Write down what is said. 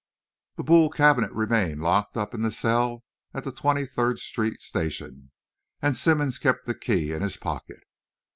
The Boule cabinet remained locked up in a cell at the Twenty third Street station; and Simmonds kept the key in his pocket.